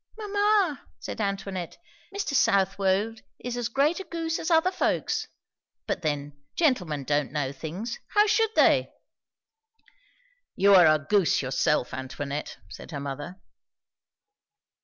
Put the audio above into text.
"Mamma," said Antoinette, "Mr. Southwode is as great a goose as other folks. But then, gentlemen don't know things how should they?" "You are a goose yourself, Antoinette," said her mother.